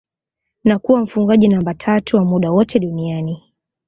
na kuwa mfungaji namba tatu wa muda wote duniani